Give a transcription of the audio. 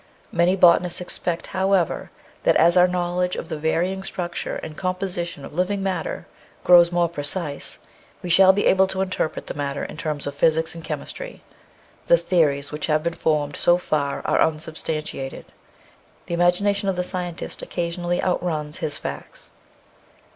Many botanists expect, however, that as our knowledge of the varying structure and composition of living matter grows more precise, we shall be able to interpret the matter in terms of physics and chemistry; the theories which have been formed so far are unsubstantiated the imagination of the scientist occasionally outruns his facts.